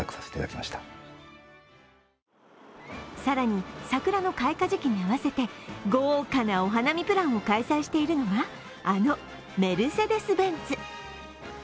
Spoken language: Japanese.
更に桜の開花時期に合わせて、豪華なお花見プランを開催しているのは、あのメルセデスベンツ。